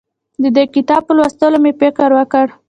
د دې کتاب په لوستو مې فکر وکړ.